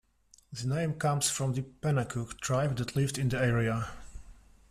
The name comes from the Pennacook tribe that lived in the area.